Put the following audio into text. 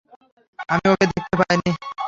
আমি ওকে দেখতে পাইনি।